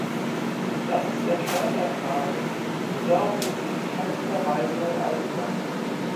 Das ist der Kern der Frage, und darauf sind Sie in keinster Weise eingegangen.